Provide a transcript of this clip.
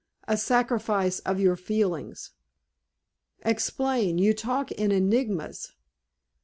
"A sacrifice of your feelings." "Explain. You talk in enigmas."